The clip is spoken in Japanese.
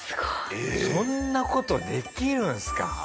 そんな事できるんですか？